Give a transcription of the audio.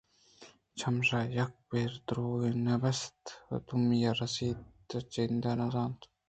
چمیشاں یکّے ءَ بِہ درٛوگ نہ بست ءُ دومی ءَ راست ءِ جند نہ زانت